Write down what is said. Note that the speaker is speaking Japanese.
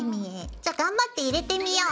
じゃ頑張って入れてみよう。